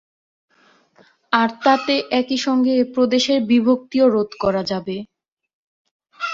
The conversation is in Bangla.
আর তাতে একই সঙ্গে এ প্রদেশের বিভক্তিও রোধ করা যাবে।